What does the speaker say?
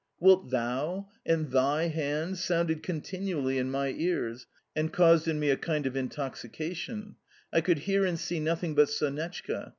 "Wilt THOU?" and "THY hand" sounded continually in my ears, and caused in me a kind of intoxication I could hear and see nothing but Sonetchka.